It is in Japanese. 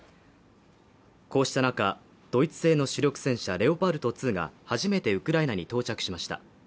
こうした中、ドイツ製の主力戦車レオパルト２が初めてウクライナに到着しました。